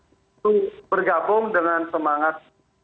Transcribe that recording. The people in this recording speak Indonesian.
itu bergabung dengan semangat